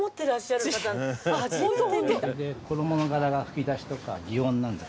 衣の柄が吹き出しとか擬音なんです。